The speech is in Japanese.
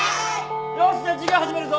・よしじゃ授業始めるぞ。